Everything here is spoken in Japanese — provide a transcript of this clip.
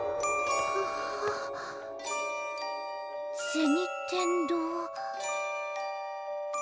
銭天堂。